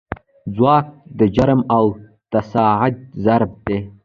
ځواک د جرم او تساعد ضرب دی.